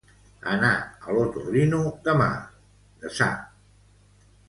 Anar a l'otorrino demà, desar.